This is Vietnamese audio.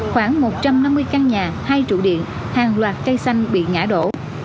khoảng một trăm năm mươi căn nhà hai trụ điện hàng loạt cây xanh bị ngã đổ